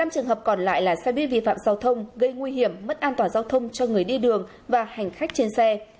năm trường hợp còn lại là xe buýt vi phạm giao thông gây nguy hiểm mất an toàn giao thông cho người đi đường và hành khách trên xe